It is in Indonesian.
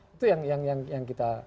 itu yang kita hadapi